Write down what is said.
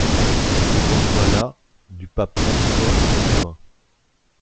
Il reçoit la du pape François le lendemain.